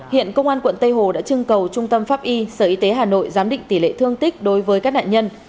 hiện công an quận tây hồ đã trưng cầu trung tâm pháp y sở y tế hà nội giám định tỷ lệ thương tích đối với các nạn nhân